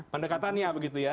pendekatannya begitu ya